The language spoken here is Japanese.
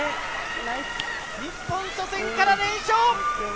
日本初戦から連勝。